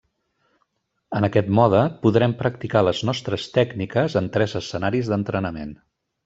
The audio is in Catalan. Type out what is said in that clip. En aquest mode podrem practicar les nostres tècniques en tres escenaris d'entrenament.